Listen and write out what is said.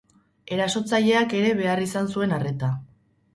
Erasotzaileak ere behar izan zuen arreta.